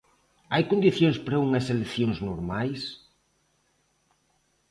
Hai condicións para unhas eleccións normais?